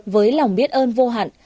với lòng biết ơn vô hạn